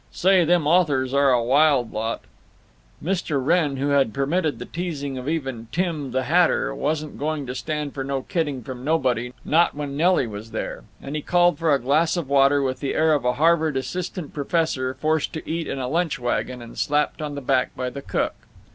Say, them authors are a wild lot." Mr. Wrenn, who had permitted the teasing of even Tim, the hatter, "wasn't going to stand for no kidding from nobody—not when Nelly was there," and he called for a glass of water with the air of a Harvard assistant professor forced to eat in a lunch wagon and slapped on the back by the cook.